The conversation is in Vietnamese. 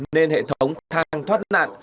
nên hệ thống thang thoát nạn